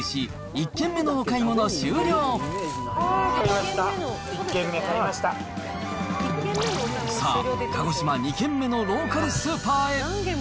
１軒目、買いまさあ、鹿児島２軒目のローカルスーパーへ。